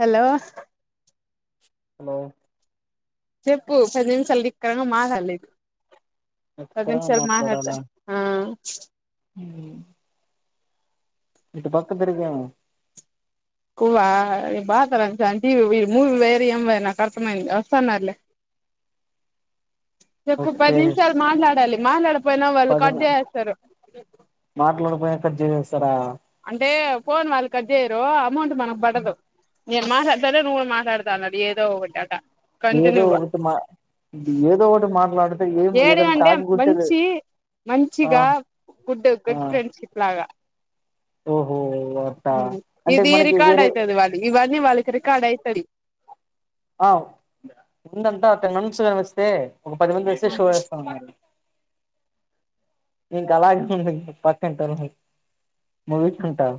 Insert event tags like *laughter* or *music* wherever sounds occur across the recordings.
Hello hello చెప్పు పది నిమిషాలు నిక్కరంగా మాట్లాడాలి పది ఎక్కరగా నిమిషాలు మాట్లాడుతా ఆ హమ్ ఇటు పక్కతిరిగాము కువ్వా బాతార ఆంటీ మూవీ వేరు ఏం వేరు నాకు అర్థమైంది వస్తాన్నారులే చెప్పు పది ఓకే నిమిషాలు మాట్లాడాలి మాట్లాడు పోయినా వాళ్ళు పది కట్ చేసేస్తారు టజినెస్ అంటే ఫోన్ వాళ్లు కట్ చేయరు అమౌంట్ మనకు బడదు నేను మాట్లాడతా అంటే నువ్వు మాట్లాడతా అన్నడి ఏదో ఒకటి అట్ట ఏదో ఒకటి మా ఏదో ఒకటి మాట్లాడితే ఏం ఏడి ఏదైనా అంటే టాపిక్ ఉంటేదే మంచి ఆ మంచిగా గుడ్ ఆ. గుడ్ ఫ్రెండ్షిప్ ఓహో. అట్టా ఉమ్ అంటే ఇది మనకి రికార్డ్ వేరే అయితది వాళ్ళు ఇవన్నీ వాళ్ళకి రికార్డ్ అయితాది ఆ ముందు అంతా తనమన్స్ కనిపిస్తే ఒక పది మంది వస్తే షో వేస్తా అన్నారు ఇంకా అలాగే ఉంది పక్కింటి వాళ్ళకి ముగించుకుంటాం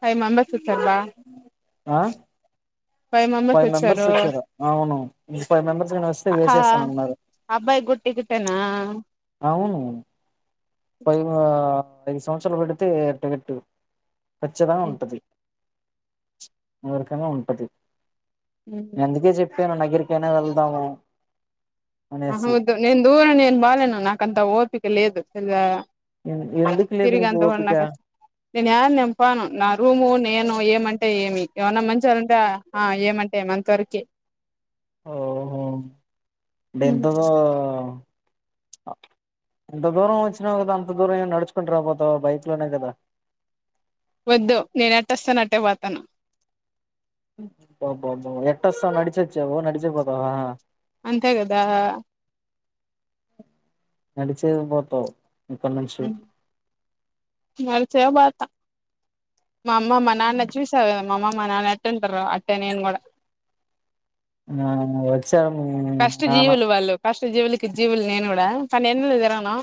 ఫైవ్ మెంబర్స్ చూస్కో అక్క ఆ ఫైవ్ మెంబర్స్ వచ్చారు ఫైవ్ మెంబర్స్ గాని వస్తే ఆ వేసేస్తా అన్నారు అబ్బాయ్ గూడ టికెట్టేనా అవును పది మ ఆ ఐదు సంవత్సరాలు పడితే టికెట్టు కచ్చితంగా ఉంటది. ఎవరికైనా ఉంటది. నే అందుకే చెప్ప నేను నగిరికైనా వెళ్దామ అహ వద్దు నేను దూరం నేను పో నాకంత ఓర్పు పిక లేదు *unintelligible* ఎందుకు లేదు నీకు తిరిగేంత కూడా ఓపిక నాకస నేను యాడ నేన్ పోను నా రూము నేను ఏమంటే ఏమి ఏమన్నా మంచోరుంటే ఆ ఏమంటే ఏమి అంత వరకె. ఓహో. డెంతగో అ ఇంత దూరం వచ్చినావు కదా అంత దూరం ఏం నడుచుకుంట రా పోతావ్ బైక్ లోనే కదా. వద్దు. నేను ఎట్టొస్తానో అట్టే పోతాను. అబ్బబ్బబ్బో ఎట్టొస్తావు నడిచొచ్చావు నడిచే పోతావా. అంతే కదా. నడిచే పోతవ్. నడిచేపోతా మా అమ్మ మా నాన్న చూశావు కదా మా అమ్మ మా నాన్న ఎట్ట ఉంటారో అట్టే నేను కూడా ఆ వచ్చావూ కష్ట నాన్నా జీవులు వాళ్ళు కష్ట జీవులికి జీవులు లేనోడా తనని ఎందుకు రా అన్నావు.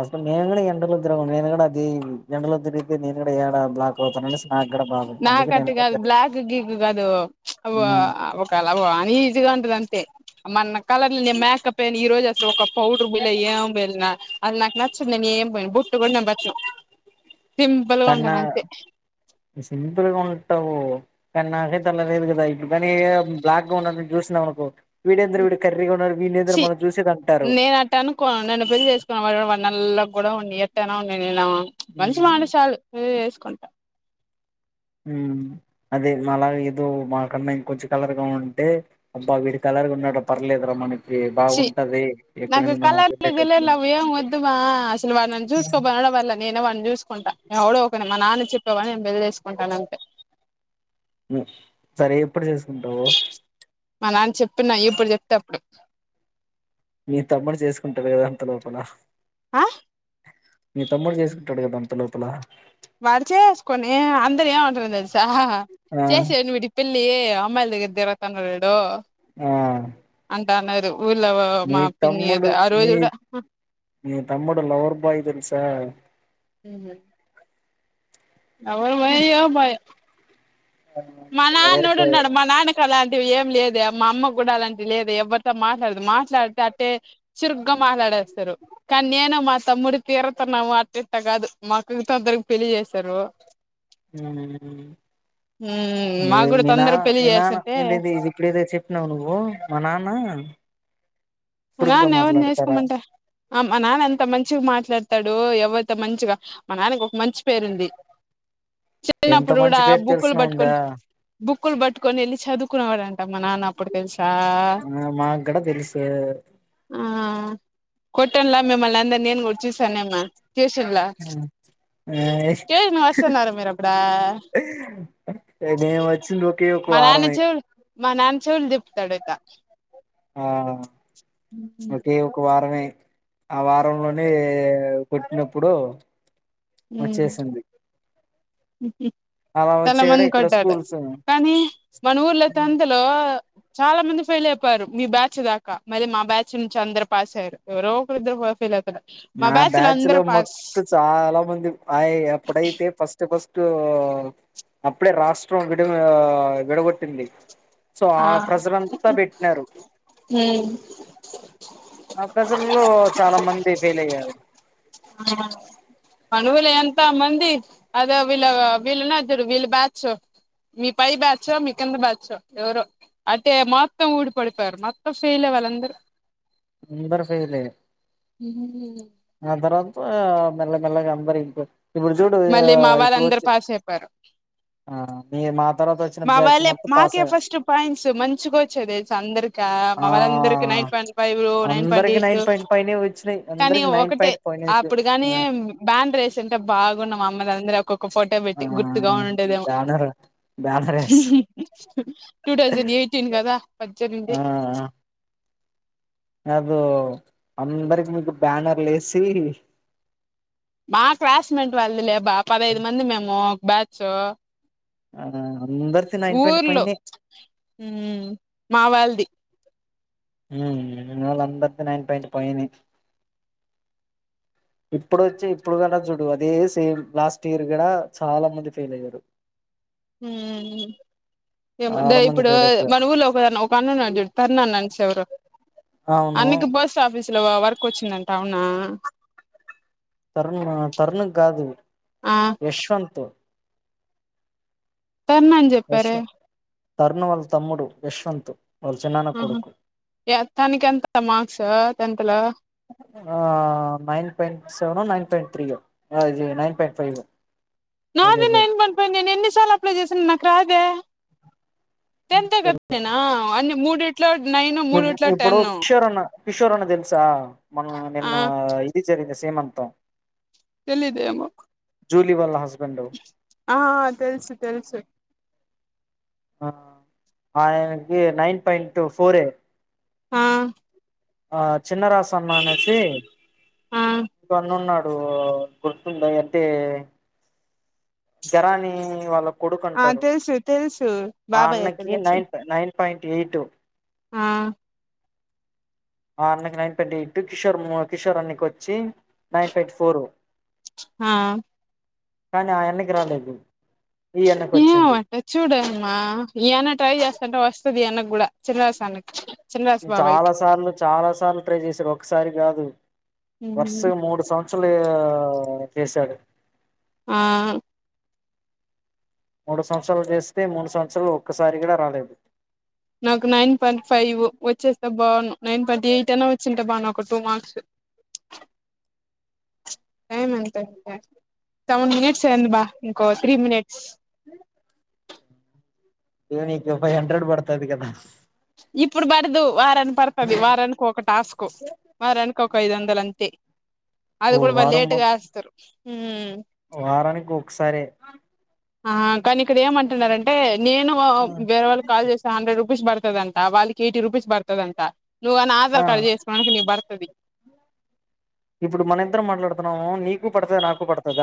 అసలు నేను కూడా ఎండలో తిరగను నేను కూడా అది ఎండలో తిరిగితే నేను కూడా ఏడా బ్లాక్ అవుతా అనేసి నాకు అట్ట కాదు బ్లాక్ గీకు కాదు అవో ఉమ్ ఒకాల అనీజీగా ఉంటది అంతే తె అమన్న కలర్లు నేను మేకప్ ఏయను ఈ రోజు అసలు ఒక పౌడర్ పూయల ఏం పూయలా అది నాకు నచ్చదు నేను ఏం పోయిను పో బతు సిింబల్ండన అంత సింపుల్ గా ఉంటావు కానీ నాకైతే అల లేదు కదా ఇప్పుడు పనీ బ్లాక్ గా ఉన్నని చూసినావనుకో వేడెంది రా వీడు కర్రీగా ఉన్నాడు వీడ్నేంది రా చి మనం చూసేదంటారు. నల్లగ్ కూడా ఉన్నీ ఎటైనా ఉన్నీ నేనా మంచి మాట ఉమ్ చాలు పెళ్ళి చేస్ కంట ఉమ్మ్ అదే మాలాగ ఏదో మాకన్న ఇంకొంచెం కలర్గా ఉంటే అబ్బా వీడి కలర్గా ఉన్నాడ పర్లేదు ర మనకి చి బాగుంటది నాకు ఎక్కడన్నా కలర్లు నా వెళ్ళేటప్పుడు గిలర్లు అవేం వద్దు బా అసలు వాడి నన్ను చూసుకోబల్ల నేనే వాడిని చూసుకుంటా ఎవడో ఒకడ్ని మా నాన్న చెప్పేవాడ్నీ నేను పెళ్లి చేసుకుంటాన్ అంతే సరే ఎప్పుడు చేసుకుంటావు మా నాన్న చెప్తున్న ఎప్పుడు చెప్తే అప్పుడు మీ తమ్ముడు చేసుకుంటడు కదా అంత లోపల ఆ మీ తమ్ముడు చేసుకుంటాడు కదా అంత లోపల వాడుకోని అందర్ ఏమంటారో తెలుసా ఆ చేసేయండి వీడికి పెళ్ళి అమ్మాయిల్ దగ్గెర తిరుగుతుంటాడు ఈడు ఆ టన్నరు మీ తమ్ముడు మీ కూడా మీ తమ్ముడు లవర్ బాయ్ తెలుసా హ్మ్ అవరు బాయో బాయ్ మ లవర్ నాడు బాయ్ నడు మ నా అన్న క అ ఏం లేదె మా అమ్మ కూడా అలాంటి లేదె ఎవ్వరితో మాట్లాడదు మాట్లాడితే అట్టే చురుగ్గా మాట్లాడేస్తరు. కానీ నేను మా తమ్ముడి తీరుగుతున్నాము అట్టిట్ట కాదు మాక్కతోందరికి పెళ్లి చేస్తరు. హ్మ్ హ్మ్ మాకూడ తొందరగా పెళ్లి చేస్తుంటే కునావు నువు మా నాన్న మా చురుగ్గా నాన్న ఎవర్ని మాట్లాడతారా చేసుకోమంటె ఆ మా నాన్న ఎంత మంచిగా మాట్లాడ్ తడు ఎవైతే మంచిగా మ నాన్నకి ఒక మంచి పేరుంది ఎంత చిన్నప్పుడు మంచి కూడా పేరు బుక్కులు తెలిసిన ఉందా పట్టుకొని బుక్ క్ లు పట్టుకొని వెల్లి చదువుకునే వాడంట మా నాన్నప్పుడు తెలిసి ఆ మాగూడ తెలుసు ఆ కొట్టన్లా మిమ్మల్నందర్నీ నేన్ కూడా చూసనేమి ట్యుశున్లా ఏ మేమొచ్చిన్ రో కే ఒక మా నాన్న వారమై చెవులు మా నాన్ చవుల్ దిప్తాడిత ఆ ఒకే ఒక వార్ వె ఆ వారంలోనే కుట్ నప్పుడు వచ్చేసింది హ్మ్ హ్మ్ అలా చాలా వచ్చేయడం మంది ఇక్కడ కొట్టారు స్కూల్స్ కానీ మనుర్లో అయితే అందులో చాలా మంది ఫెయిల్ అయిపోయారు మీ బ్యాచ్ దాకా మళ్ళీ మా బ్యాచ్ నుంచి అందరు పాస్ అయ్యారు ఎవరో ఒకరి ఇద్దరు ఫెయిల్ అవురు. నా బ్యాచ్ లో మొత్ చాలా మంది ఆ ఎప్పుడైతే ఫస్ట్ ఫస్ట్ టూ అప్పుడే రాష్ట్రం ఒకట్ విడగొట్టింది సో ఆ ప్రజరంతా పెట్టినారు ఆ ప్రెజర్ లో చాలా మంది *unintelligible* పనుగులు ఎంత మంది అదో వీళ్ళ వీళ్ళ నద్దరు వీళ్ళు బ్యాచో మీ పై బ్యాచో మీ కింద బ్యాచో ఎవరో అయితే మొత్తం ఊడి పడిపోయారు మొత్తం ఫెయిల్ వాళ్ళందరూ నింబర్ ఫైల్ లే *unintelligible* అందర అంత మెల మెలగగా అందరు ఇగ ఇప్పుడు చూడు మళ్ళీ మా ఇప్పుడు వాళ్ళందరూ వచ్చే పాస్ అయిపోయారు ఆ నేన మాత్ర మా వాళ్ళ మాకే ఫస్ట్ పాయింట్స్ మంచిగా వచ్చేది అందరికా మా ఆ వాళ్ళ అందరికి nine point five nine point అందరికి ఎయిట్ నైన్ పాయింట్ పైనే వచ్చినాయి కానీ అందరికి నైన్ ఒకటే పాయింట్ పైనే వచ్చాయి. అప్పుడు కాని ఆ బ్యాన్ రేసింటే బాగున్న మా మ అంద *unintelligible* ఒక ఫోటో ఆ పెట్టి గుర్తుగా ఉండేదేమో banner banner yes two thousand eighteen కదా పద్దెనిమిది అద అందరికి మీకు బ్యానర్లు వేసి మా క్లాస్మేట్ వాళ్ళది లే బా పదహైదు మంది మేము బ్యాచ్ ఆ అందరిది నైన్ పాయింట్ ఊర్లో పైనే ఉ మావాళ *unintelligible* ఉ వాళ్ళ అందరిది నైన్ పాయింట పైనే. ఇప్పుడు వచ్చి ఇప్పుడు కూడా చుడు అదే సేమ్ లాస్ట్ ఇయర్ కూడా చాలా మంది ఫెయిల్ అయ్యారు ఉ చాలా మంది ఇప్పుడు ఫెయిల్ అయిపోయారు మన ఊర్లో ఒక ఒక అన్నడు చడు తర్నా అన్న అనిస ఎవరు అవును అన్నికి పోస్ట్ ఆఫీస్ ఇలో వరకు వచ్చిందంట అవునా తరుణ్ తరుణకు కాదు ఆ యశ్వంత్ తర్ణ అని చెప్పార తరుణవల్ తమ్ముడు యశ్వంతు్ ఒక చిన్నన్న ఆహా కొడుకు యా తనకి ఎంత మార్క్స్ టెన్త్ లో nine point seven nine point తీయ ఇది నైన్ పాయింట్ ఫైవ్ అదే నాదే అదే నైన్ పాయింట్ పైనే నేను ఎన్నిసార్లు అప్లై చేశాను నా రాదే టెన్త్ే కదా నేనా అన్ని మూడిట్లో నైను మూడిట్లో టెన్న కిషోర్న్న తెలుసా మన నిన్న ఇది జరిగింది సీమంతం తెలిదే ఎమ్మో జూలీ వాళ్ళ హస్బెండ్ ఆ ఆ తెలుసు తెలుసు ఆే నైన్ పయింట్ ఫోర్ ఏ ఆ ఆ చిన్న రాసమా అనేసి ఆ కన్ను ఉన్నాడు నువ్వు గుర్తుంటది కాబట్టి జరానీ వాళ్ళ కొడుకు ఆ అంటారు తెలుసు తెలుసు ఆ బాబాయ అన్నకి తెలసి నైన్ నైన్ పాయింట్ ఎయిట్ ఆ ఆ అన్నకి nine point eight Kishore Kishore అన్నకొచ్చి నైన్ పాయింట్ ఫోర్ ఆ కానీ ఆయన్నాక్ త్రన టైపు ఏ వాట చూడమ్మా ఏన ట్రై చేస్తటే వస్తది అన్నకు కూడా చిన్న రస అన్నకి చినరాశు చాలా బాబాయికి సార్లు చాలా సార్లు ట్రై చేసారు ఒకసారి కాదు వర్ష మూడు సంవత్సర క్షరాలు చేశాడు ఆ మూడు సంవత్సరాలు చేస్తే మూడు సంవత్సరాలు ఒక్కసారి కూడా రాలే నాకు నైన్ పాయిట్ ఫైవ్ వచ్చేస్తా బావును నైన్ పాయిట్ ఎయిట్ అనా వచ్చిన నా బాగుండు ఒక టూ మార్స్ టైమ్ ఎంత అయ్యింది సెవన్ మినిట్స్ అయ్యింది బా ఇంకో త్రీ మినిట్స్ ఇగ నీకు ఫైవ్ హండ్రెడ్ బడుతాది కదా ఇప్పుడు పడదు వారని పడుతది వారనికి ఒక టాస్క్ వార కోక ఐదు వందల అంతే అది ఓ కూడా వాళ్ళు వారం లేటుగా ఏస్తారు మ్మ్ వారానికి ఒకసారే ఆ కానీ ఇక్కడ ఏమంటున్నారంటే నేను వేర వాళ్ళు కాల్ చేసాను హండ్రెడ్ రుపీస్ బడ్తదంట వాళ్ల్కి ఎయిటీ రుపీస్ బడ్తదంట నువ్వు అన్న ఆ ఆధార్ కార్డు చేసుకోడానికి నీక్ పడుతుది ఇప్పుడు మనిద్దరం మాట్లాడుతున్నాము నీకు పడుతది నాకు పడుతది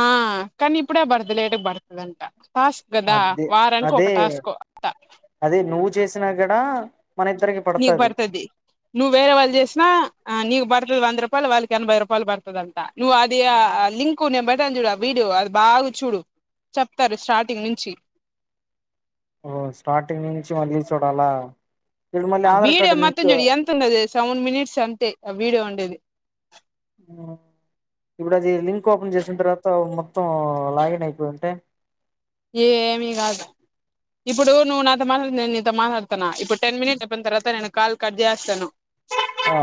ఆ కానీ ఇప్పుడే పడదు లేట్గ్ పడ్తదంట అదే అదే టాస్క్ అదే నువ్వు చేసినా కూడాడ నీకు పడుతుది నువ్వు వేరే వాళ్ళు చేసినా ఆ నీకు పడుతుది వంద రూపాయలు వాళ్ళకి ఎనభై రూపాయలు పడుతుందింట నువ్వు అది లింకు నేను బయటను చూడు వీడియో అది బాగా చూడు చెప్తారు స్టార్టింగ్ నుంచి ఓ స్టార్టింగ్ నుంచి మళ్ళీ చూడాలా ఇప్పుడు మళ్ళీ ఆ ఆధార్ వీడియో కార్డు మొత్తం లింక్ చూడు ఎంత ఉండది సెవెన్ మినిట్స్ అంతే ఆ వీడియో ఉండేది. హ్మ్ ఇప్పుడది లింక్ ఓపెన్ జేసిన్తర్వాత మొత్తం లాగిన్ అయిపోయింటే ఏమి గాదు ఇప్పుడు నువ్వు నాతో మాట్లాడక్ నేన్ నీతో మాట్లాడ్ తెనా ఇప్పుడ్ టెన్ మినిట్స్ కొంతర్వత నేనిప్ కాల్ కట్ జేస్తాను. ఆ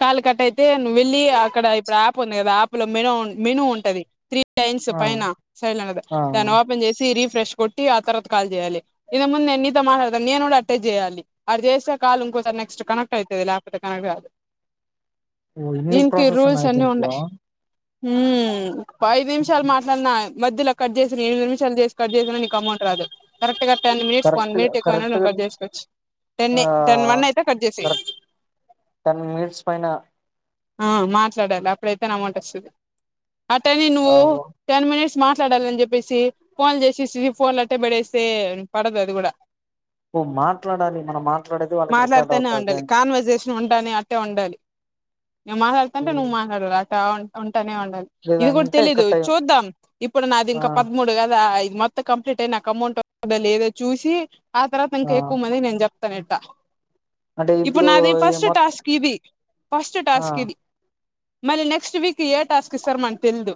క్కాల్ కట్టయితే నువెళ్ళి అక్కడ ఇప్పుడు యాప్ ఉంది గదా యాప్ లో మెన్ మెను ఉంటది త్రీ లైన్స్ ఆ పైన సైలెంట్గ ఆ దాన్నోపెన్ జేసి రీఫ్ ఫ్రెష్ కొట్టి ఆ తర్వాత కాల్ జేయాలె, ఇదేమో నేన్ నీతో మాట్లాడతా నేను గుడా అట్టే జేయాలి. అట జేస్తే కాల్ ఇంకోస నెస్ట్ కనెక్ట్ అయితది, లేకపోతే కనెక్ట్ గాదు. ఓ ఇన్ని ప్రాసెస్ ఉన్నాయ అన్ని దీంట్లో? ఉన్నాయి హ్మ్ పైదు నిమిషాలు మాట్లాడిన మధ్యలా కట్ చేసిన ఎనిమిది నిమిషాలు చేసి కట్ చేసినా మీకు అమౌంట్ రాదు. కరెక్ట్ గా టెన్ మినిట్స్కి వన్ కరెక్ట్ మినిట్ ఎక్కువైనా కరెక్ట్ నువ్వు గా కట్ చేసుకోవచ్చు ఆ టెన్నే, టెన్ వన్ అయితే కట్ చేసేయ్ కరెక్ట్ టెన్ మినిట్స్ పైన ఆ మాట్లాడాలి అప్పుడైతేనే అమౌంట్ వస్తది అట్టని ఆ నువ్వు టెన్ మనిట్స్ మాట్లాడాలని జెప్పేసి ఫోన్లు చేసేసి ఫోన్లట్టే పడేస్తే పడదు అది గుడా పు మాట్లాడాలి మనం మాట్లాడేది వాళ్ళకి రికార్డ్ అవుతది ఉంటానయ్ అట్ టె ఉండాలి. నెన్ మాట్లాడుతుంటే నువ్వు మాట్లాడలి అ ఉంటానే ఉండాలి. ఇది గూడ లేదంటే తెలీదు కట్ అయి చూద్దాం, ఇప్పుడు నాది ఆ ఇంకా పదమూడు గదా మొత్త కంప్లీట్ అయి నాకు అమౌంట్ ఒత్తదో లేదో చూసి ఆ తర్వాత ఇంక ఎక్కువ మంది నేను చెప్తానేడ్ ద అంటే ఇప్పుడు ఇగ మొత్తం ది ఫస్ట్ ఆ టాస్క్ ఇది మల్లి నెక్స్ట్ వీక్ ఏ టాస్కిస్తారో మనక్ తెల్దు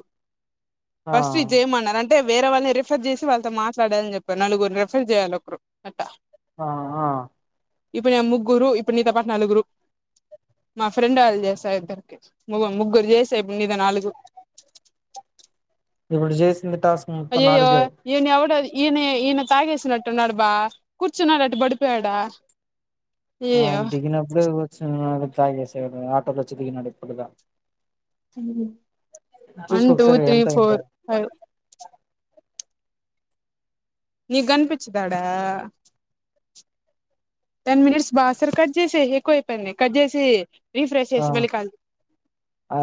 ఆ ఫస్ట్ ఇద్జెయమన్నారు అంటె టే వేరే వాళ్ళని రిఫర్ చేసి వాళ్ళతో మాట్లాడాలని జెప్పారు నలుగురు రిఫర్ చేయాలి ఒకరు ఆ ఆ ఇప్పుడు నెన్ ముగ్గురు ఇప్పుడు నీతో పాటు నలుగురు మా ఫ్రెండ్ ఆల్ జేసా ఇద్దరికి, ముగ్ ముగ్గురు చేసే ఇప్ నీతో నాలుగు. ఇప్పుడు జేసి అయ్యాయో *unintelligible* ఈయన ఈయన తాగేసినట్టు ఉన్నడ్ బ కూర్చున్నాడట్టు బడిపోయాడా ఆ దిగినప్పుడు కూర్చున్నాడు తాగేసాడు ఉం ఆటో లో చికిలినాడు *unintelligible* ఉ వన్ చూసుకో టూ ఒకసారి త్రీ ఎంత అయిందో ఫోర్ ఫైవ్ నీకు కనిపించదా ఆడ టెన్ మినిట్స్ బా సరే కట్ చేసి ఎక్కువ అైపోయింది కట్ చేసి రీఫ్రెష్ ఆ చేసి మళ్ళీ కాల్ చే ఆ